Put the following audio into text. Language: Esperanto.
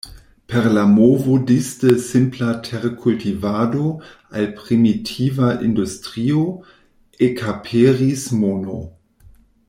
Per la movo disde simpla terkultivado al primitiva industrio, ekaperis mono.